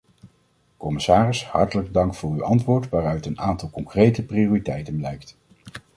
Commissaris, hartelijk dank voor uw antwoord waaruit een aantal concrete prioriteiten blijkt.